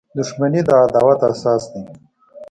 • دښمني د عداوت اساس دی.